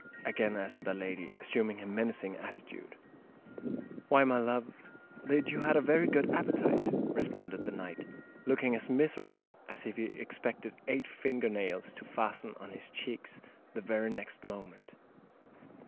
again asked the lady, assuming a menacing attitude. "Why, my love—that you had a very good appetite," responded the knight, looking as miserable as if he expected eight finger nails to fasten on his cheeks the very next moment.